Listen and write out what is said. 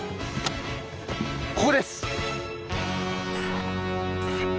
ここです！